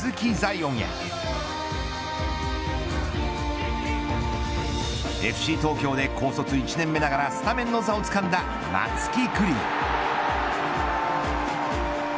艶やＦＣ東京で高卒１年目ながらスタメンの座をつかんだ松木玖生。